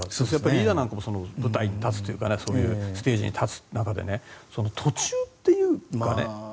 リーダーなんかも舞台に立つというかステージに立つ中で途中っていうのがね。